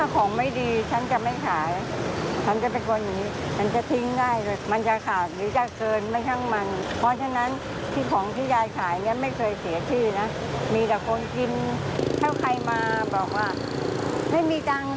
ขอบคุณครับ